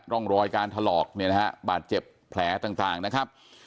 ร่องรอยการถลอกเนี่ยนะฮะบาดเจ็บแผลต่างนะครับ